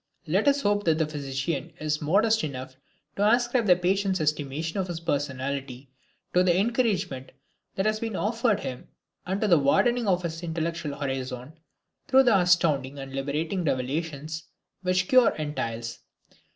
Let us hope that the physician is modest enough to ascribe the patient's estimation of his personality to the encouragement that has been offered him and to the widening of his intellectual horizon through the astounding and liberating revelations which the cure entails.